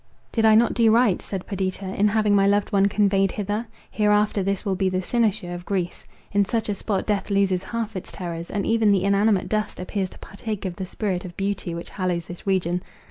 "Did I not do right," said Perdita, "in having my loved one conveyed hither? Hereafter this will be the cynosure of Greece. In such a spot death loses half its terrors, and even the inanimate dust appears to partake of the spirit of beauty which hallows this region.